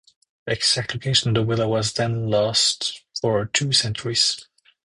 The exact location of the villa was then lost for two centuries.